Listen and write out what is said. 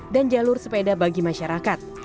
dan jalur sepeda bagi masyarakat